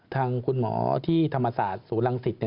ทางคุณหมอที่ธรรมศาสตร์ศูลังศิษย์